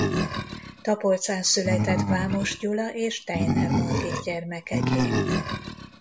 Tapolcán született Vámos Gyula és Steiner Margit gyermekeként.